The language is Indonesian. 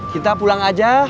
kita pulang aja